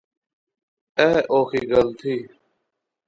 ایہہ اوخی گل تھی